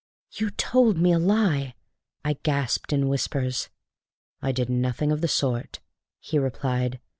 "You told me a lie!" I gasped in whispers. "I did nothing of the sort," he replied.